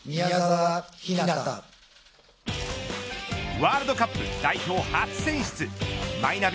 ワールドカップ代表初選出マイナビ